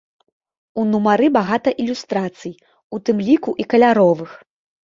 У нумары багата ілюстрацый, у тым ліку і каляровых.